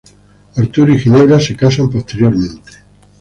Arturo y Ginebra se casan posteriormente.